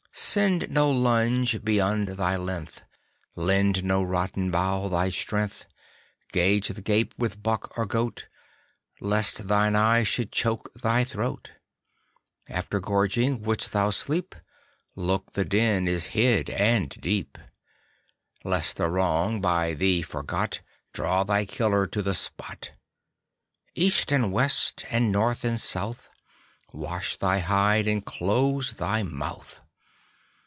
Send no lunge beyond thy length; Lend no rotten bough thy strength. Gauge thy gape with buck or goat, Lest thine eye should choke thy throat After gorging, wouldst thou sleep, Look the den is hid and deep, Lest a wrong, by thee forgot, Draw thy killer to the spot. East and West and North and South, Wash thy hide and close thy mouth.